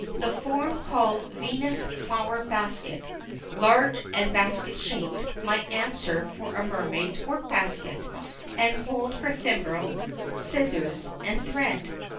The form called "Venus flower basket," large and basket shaped, might answer for a mermaid's work basket, and hold her thimble, scissors, and thread.